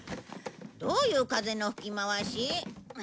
どういう風の吹き回し？